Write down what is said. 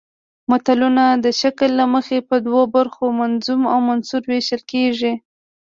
متلونه د شکل له مخې په دوو برخو منظوم او منثور ویشل کیږي